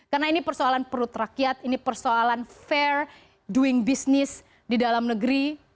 karena ini persoalan perut rakyat ini persoalan fair doing business di dalam negeri